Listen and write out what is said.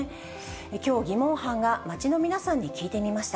きょう、ギモン班が街の皆さんに聞いてみました。